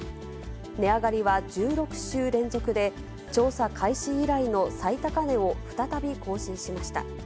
値上がりは１６週連続で、調査開始以来の最高値を再び更新しました。